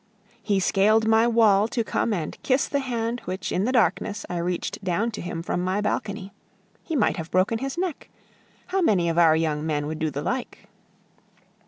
He scaled my wall to come and kiss the hand which in the darkness I reached down to him from my balcony. He might have broken his neck; how many of our young men would do the like?